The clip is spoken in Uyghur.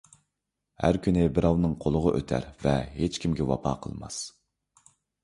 ھەر كۈنى بىراۋنىڭ قولىغا ئۆتەر ۋە ھېچكىمگە ۋاپا قىلماس.